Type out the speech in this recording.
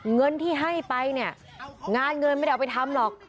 เงินที่ให้ไปเนี่ยงานเงินไม่ได้เอาไปทำหรอก